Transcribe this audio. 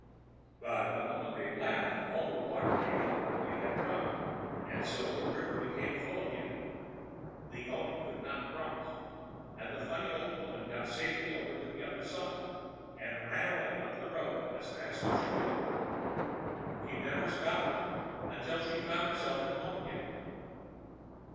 But, the moment they laughed, all the water came up that they had drunk, and so the river became full again. The oni could not cross, and the funny old woman got safely over to the other side, and ran away up the road as fast as she could. She never stopped running until she found herself at home again.